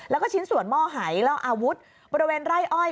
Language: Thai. แล้วก็ชิ้นส่วนหม้อหายแล้วอาวุธบริเวณไร่อ้อย